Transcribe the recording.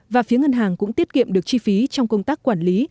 và phía ngân hàng cũng tiết kiệm được chi phí trong công tác quản lý